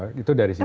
nah itu dari sisi